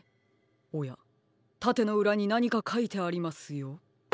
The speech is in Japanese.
おやたてのうらになにかかいてありますよ。